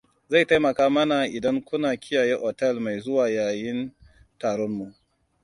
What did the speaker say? Zai taimaka mana idan kuna kiyaye otal mai zuwa yayin taron mu.